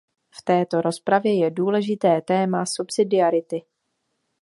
V této rozpravě je důležité téma subsidiarity.